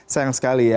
sayang sekali ya